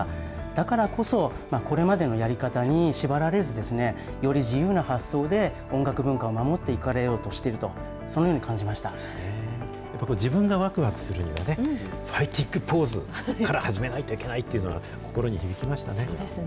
だからこそ、これまでのやり方に縛られず、より自由な発想で、音楽文化を守っていかれようとしてやっぱ自分がわくわくするね、ファイティングポーズから始めないといけないというのは、心に響そうですね。